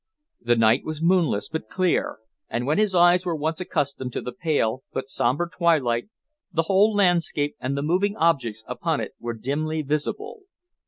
The night was moonless but clear, and when his eyes were once accustomed to the pale but sombre twilight, the whole landscape and the moving objects upon it were dimly visible.